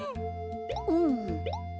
うん。